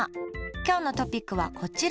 今日のトピックはこちら。